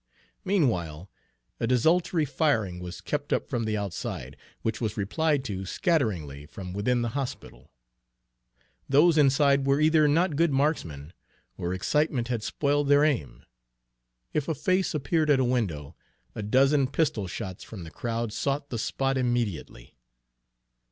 Meanwhile a desultory firing was kept up from the outside, which was replied to scatteringly from within the hospital. Those inside were either not good marksmen, or excitement had spoiled their aim. If a face appeared at a window, a dozen pistol shots from the crowd sought the spot immediately.